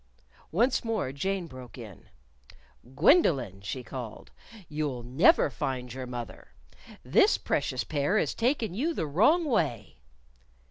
Once more Jane broke in. "Gwendolyn," she called, "you'll never find your mother. This precious pair is takin' you the wrong way!"